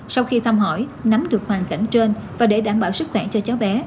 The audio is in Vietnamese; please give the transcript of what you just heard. sau khi thăm hỏi nắm được hoàn cảnh trên và để đảm bảo sức khỏe cho cháu bé